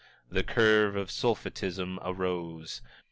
The curve of sulphitism arose.